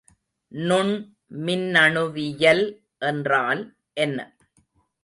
நுண் மின்னணுவியல் என்றால் என்ன?